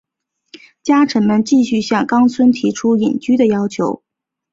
家臣们继续向纲村提出隐居的要求。